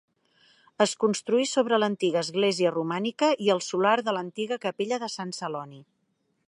Es construí sobre l'antiga església romànica i el solar de l'antiga capella de Sant Celoni.